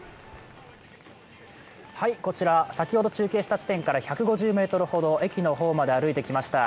こちら、先ほど中継した地点から１５０ｍほど駅の方まで歩いてきました。